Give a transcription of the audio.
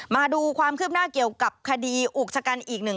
มาดูความคืบหน้าเกี่ยวกับคดีอุกชะกันอีกหนึ่ง